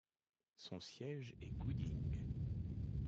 Son siège est Gooding.